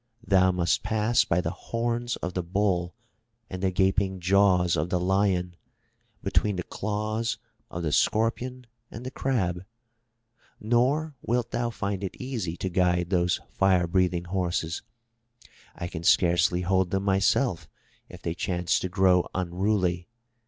Thou must pass by the horns of the Bull, and the gaping jaws of the Lion, between the claws of the Scorpion and 270 THROUGH FAIRY HALLS the Crab. Nor wilt thou find it easy to guide those fire breathing horses. I can scarcely hold them myself if they chance to grow unruly.